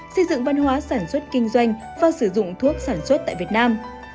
xây dựng văn hóa sản xuất kinh doanh và sử dụng thuốc sản xuất tại việt nam